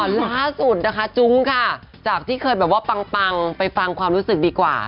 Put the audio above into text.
ล่าสุดนะคะจุ้งค่ะจากที่เคยแบบว่าปังไปฟังความรู้สึกดีกว่า